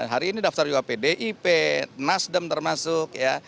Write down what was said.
hari ini daftar juga pdip nasdim termasuk